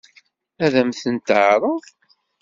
Ad m-ten-teɛṛeḍ?